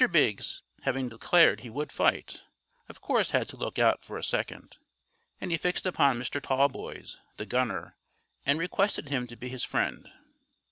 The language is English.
Biggs, having declared he would fight, of course had to look out for a second, and he fixed upon Mr. Tallboys, the gunner, and requested him to be his friend.